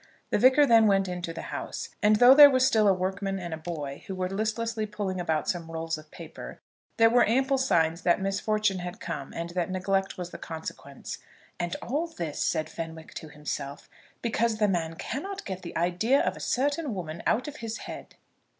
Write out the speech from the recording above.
The Vicar then went into the house, and though there was still a workman and a boy who were listlessly pulling about some rolls of paper, there were ample signs that misfortune had come and that neglect was the consequence. "And all this," said Fenwick to himself, "because the man cannot get the idea of a certain woman out of his head!"